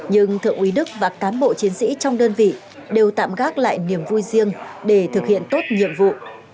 nhưng thượng úy đức và cán bộ chiến sĩ trong đơn vị đều tạm gác lại niềm vui riêng để thực hiện tốt nhiệm vụ